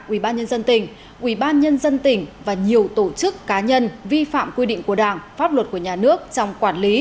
ubnd tỉnh ubnd tỉnh và nhiều tổ chức cá nhân vi phạm quy định của đảng pháp luật của nhà nước trong quản lý